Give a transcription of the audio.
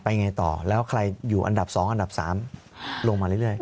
ไงต่อแล้วใครอยู่อันดับ๒อันดับ๓ลงมาเรื่อย